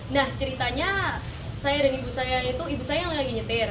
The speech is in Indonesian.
nah ceritanya saya dan ibu saya itu ibu saya yang lagi nyetir